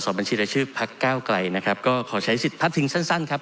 สอบบัญชีได้ชื่อพักเก้าไกลนะครับก็ขอใช้สิทธิ์พักถึงสั้นสั้นครับ